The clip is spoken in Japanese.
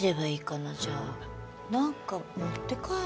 なんか持って帰る？